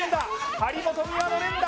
張本美和の連打